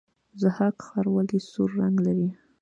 ضحاک ښار ولې سور رنګ لري؟